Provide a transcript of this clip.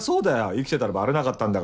生きてたらバレなかったんだから。